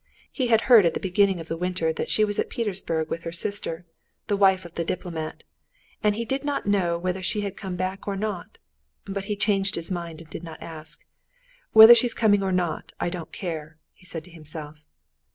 He had heard at the beginning of the winter that she was at Petersburg with her sister, the wife of the diplomat, and he did not know whether she had come back or not; but he changed his mind and did not ask. "Whether she's coming or not, I don't care," he said to himself.